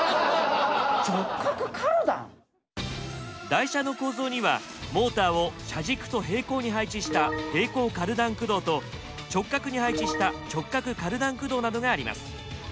台車の構造にはモーターを車軸と平行に配置した平行カルダン駆動と直角に配置した直角カルダン駆動などがあります。